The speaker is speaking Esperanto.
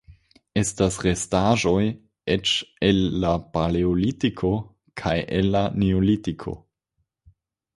Estas restaĵoj eĉ el la Paleolitiko kaj el la Neolitiko.